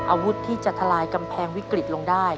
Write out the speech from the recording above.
อาวุธที่จะทลายกำแพงวิกฤตลงได้